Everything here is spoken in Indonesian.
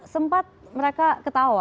sempat mereka ketawa